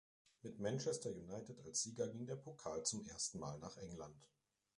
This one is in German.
Mit Manchester United als Sieger ging der Pokal zum ersten Mal nach England.